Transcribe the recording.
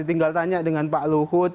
tinggal tanya dengan pak luhut